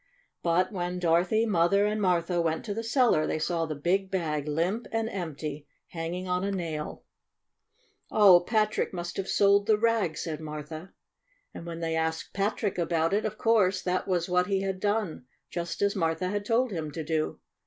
But when Dorothy, Mother, and Martha went to the cellar they saw the big* bag limp and empty, hanging on a nail. 94 STORY OP A SAWDUST DOLL *'' Oh, Patrick must have sold the rags !'' said Martha. And when they asked Patrick about it, of course that was what he had done ; just as Martha had told him to do.